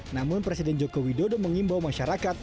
namun presiden jokowi dodo mengimbau masyarakat